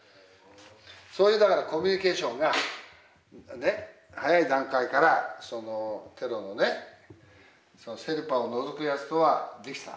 そういうだからコミュニケーションが早い段階からそのテロのねセルパを除くやつとはできたわけ。